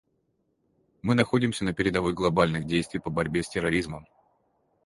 Мы находимся на передовой глобальных действий по борьбе с терроризмом.